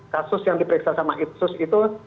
kasus yang diperiksa sama itsus itu